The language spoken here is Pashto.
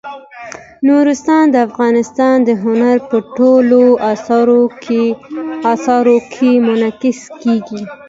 نورستان د افغانستان د هنر په ټولو اثارو کې منعکس کېږي.